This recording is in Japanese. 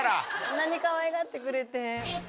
あんなにかわいがってくれて。